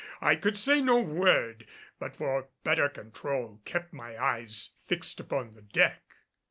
I could say no word, but for better control kept my eyes fixed upon the deck.